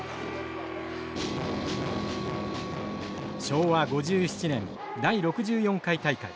昭和５７年第６４回大会。